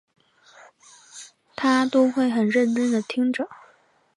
她都会很认真地听着